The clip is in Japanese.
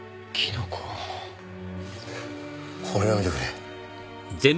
これを見てくれ。